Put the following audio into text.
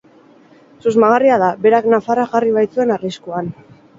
Susmagarria da, berak nafarra jarri baitzuen arriskuan.